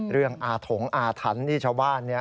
เรื่องอาถงอาถันที่ชาวบ้านเนี่ย